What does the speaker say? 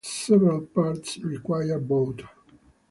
Several parts required boat.